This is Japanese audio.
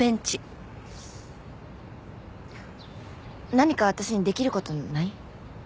何か私にできる事ない？